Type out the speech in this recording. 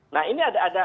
nah ini ada